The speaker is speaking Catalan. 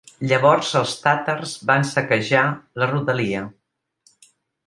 Llavors els tàtars van saquejar la rodalia.